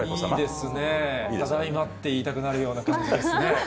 いいですね、ただいまって言いたくなるような感じですね。